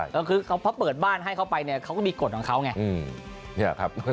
ก็คือเพราะเวลาเปิดบ้านให้เขาไปมันก็มีกฎของเขาไง